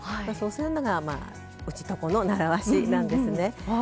それがねうちとこの習わしなんですね。